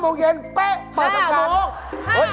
๕โมงเย็นเป๊ะไม่สำคัญ๕โมง